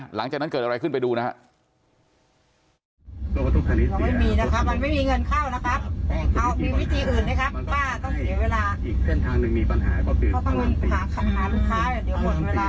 หลังจากนั้นเกิดอะไรขึ้นไปดูนะครับ